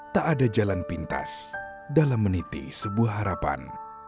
tak ada jalan pintas dalam meniti sebuah harapan